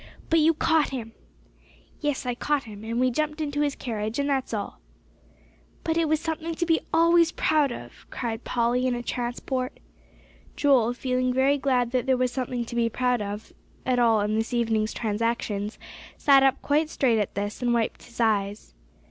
"But you caught him." "Yes, I caught him, and we jumped into his carriage; and that's all." "But it was something to be always proud of," cried Polly, in a transport. Joel, feeling very glad that there was something to be proud of at all in this evening's transactions, sat up quite straight at this, and wiped his eyes.